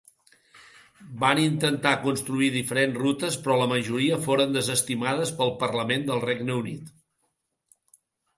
Van intentar construir diferents rutes però la majoria foren desestimades pel Parlament del Regne Unit.